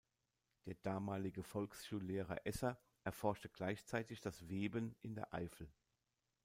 Der damalige Volksschullehrer Esser erforschte gleichzeitig das Weben in der Eifel.